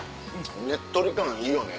ねっとり感いいよね。